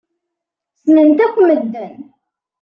Ssnen-t akk medden.